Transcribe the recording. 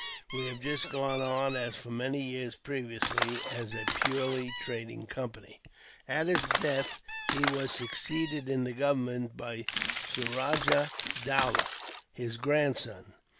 We have just gone on as for many years previously, as a purely trading company. "At his death, he was succeeded in the government by Suraja Dowlah, his grandson.